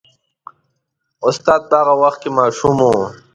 استاد په هغه وخت کې ماشوم و.